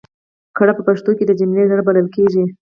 کړ په پښتو کې د جملې زړه بلل کېږي.